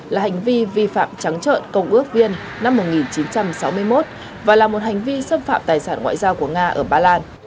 là hành vi vi phạm trắng trợn công ước viên năm một nghìn chín trăm sáu mươi một và là một hành vi xâm phạm tài sản ngoại giao của nga ở ba lan